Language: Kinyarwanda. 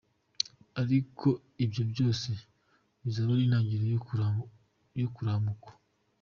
Ariko ibyo byose bizaba ari itangiriro ryo kuramukwa.